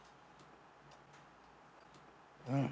うん。